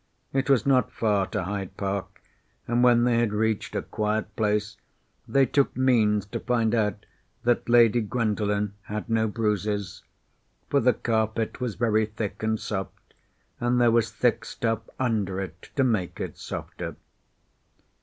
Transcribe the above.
It was not far to Hyde Park, and when they had reached a quiet place they took means to find out that Lady Gwendolen had no bruises. For the carpet was very thick and soft, and there was thick stuff under it to make it softer.